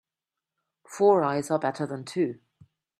Four eyes are better than two.